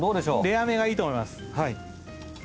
レアめがいいと思います。